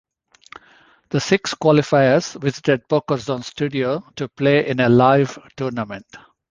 The six qualifiers visited the PokerZone studio to play in a "live" tournament.